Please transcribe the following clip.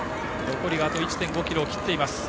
残りはあと１．５ｋｍを切っています。